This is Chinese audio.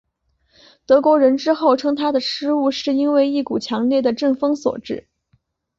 德国人之后称他的失误是因为一股强烈的阵风所致。